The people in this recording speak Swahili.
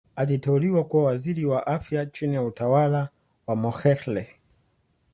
Aliteuliwa kuwa Waziri wa Afya chini ya utawala wa Mokhehle.